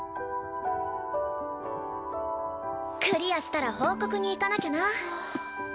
クリアしたら報告に行かなきゃな。